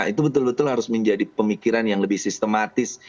itu betul betul harus menjadi pemikiran yang lebih sistematis